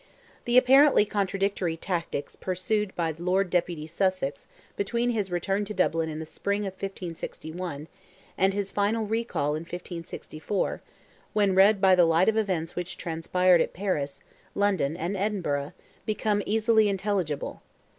The apparently contradictory tactics pursued by the Lord Deputy Sussex, between his return to Dublin in the spring of 1561, and his final recall in 1564, when read by the light of events which transpired at Paris, London, and Edinburgh, become easily intelligible.